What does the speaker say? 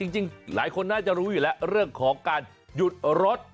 จริงหลายคนน่าจะรู้อยู่แล้วเรื่องของการหยุดรถ